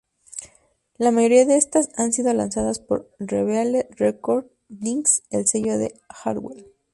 La mayoría de estas han sido lanzadas por Revealed Recordings, el sello de Hardwell.